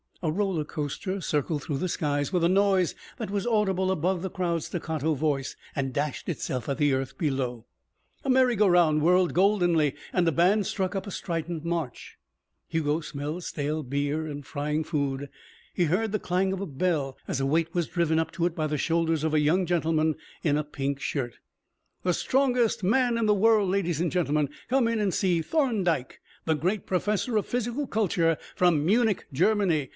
A roller coaster circled through the skies with a noise that was audible above the crowd's staccato voice and dashed itself at the earth below. A merry go round whirled goldenly and a band struck up a strident march. Hugo smelled stale beer and frying food. He heard the clang of a bell as a weight was driven up to it by the shoulders of a young gentleman in a pink shirt. "The strongest man in the world, ladies and gentlemen, come in and see Thorndyke, the great professor of physical culture from Munich, Germany.